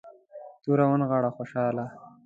توره ونغاړه خوشحاله.